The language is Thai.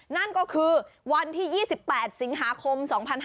นั่นก็คือวันที่๒๘สิงหาคม๒๕๕๙